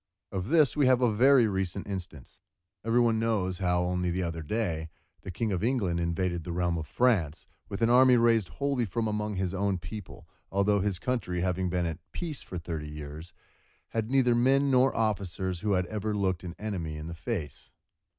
Of this we have a very recent instance. Every one knows, how, only the other day, the King of England invaded the realm of France with an army raised wholly from among his own people, although from his country having been at peace for thirty years, he had neither men nor officers who had ever looked an enemy in the face.